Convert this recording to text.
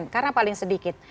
karena paling sedikit